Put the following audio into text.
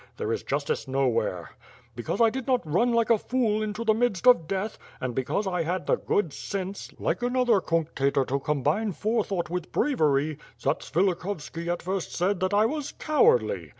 There is justice nowhere. Because I did not run like a fool into the midst of death, and because 1 had the good sense, like another Cunctator to combine fore thought with bravery, Zatsvilikhovski at first said that I was cowardly.